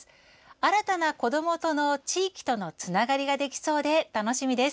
新たな子どもとの地域とのつながりができそうで楽しみです。